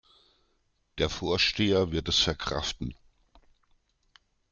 Der Vorsteher wird es verkraften.